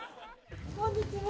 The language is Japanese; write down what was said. こんにちは。